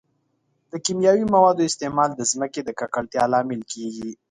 د کیمیاوي موادو استعمال د ځمکې د ککړتیا لامل کیږي.